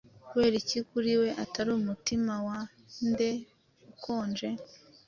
kubera iki kuri we atari Umutima wa nde ukonje?